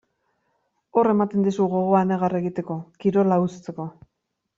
Hor ematen dizu gogoa negar egiteko, kirola uzteko.